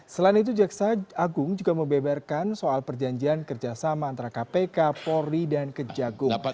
selain itu jaksa agung juga membeberkan soal perjanjian kerjasama antara kpk polri dan kejagung